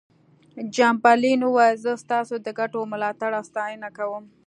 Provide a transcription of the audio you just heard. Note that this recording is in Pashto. چمبرلاین وویل زه ستاسو د ګټو ملاتړ او ساتنه کوم.